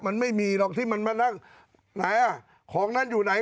มันไม่มีหรอกที่มันมานั่งไหนอ่ะของนั้นอยู่ไหน